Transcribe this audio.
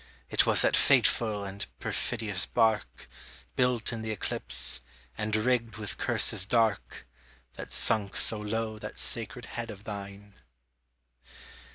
It was that fatal and perfidious bark, Built in th' eclipse, and rigged with curses dark, That sunk so low that sacred head of thine.